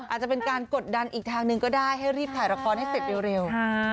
อาจจะเป็นการกดดันอีกทางหนึ่งก็ได้ให้รีบถ่ายละครให้เสร็จเร็ว